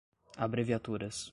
abreviaturas